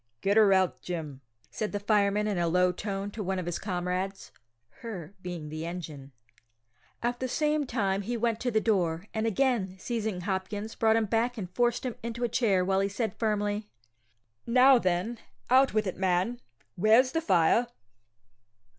"Get her out, Jim," said the fireman in a low tone to one of his comrades ("her" being the engine); at the same time he went to the door, and again seizing Hopkins, brought him back and forced him into a chair, while he said firmly: "Now, then, out with it, man; where's the fire?"